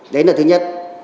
đấy là thứ nhất